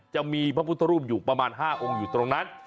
จะมีพระพุทธรูปอยู่ประมาณ๕องค์อยู่ตรงนั้น